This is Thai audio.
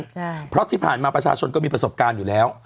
ใช่เพราะที่ผ่านมาประชาชนก็มีประสบการณ์อยู่แล้ว